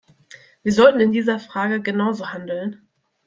Wir sollten in dieser Frage genauso handeln.